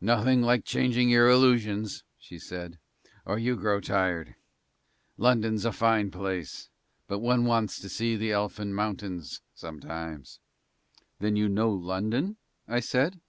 "Nothing like changing your illusions," she said, "or you grow tired. London's a fine place but one wants to see the elfin mountains sometimes." "Then you know London?" I said.